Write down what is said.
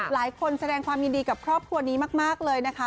แสดงความยินดีกับครอบครัวนี้มากเลยนะคะ